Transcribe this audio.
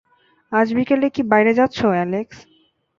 আজ বিকেলে কি বাইরে যাচ্ছ, অ্যালেক্স?